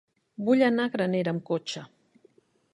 Vull anar a Granera amb cotxe.